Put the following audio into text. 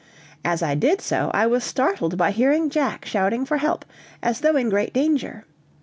As I did so, I was startled by hearing Jack shouting for help, as though in great danger.